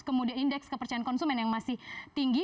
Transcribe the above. kemudian indeks kepercayaan konsumen yang masih tinggi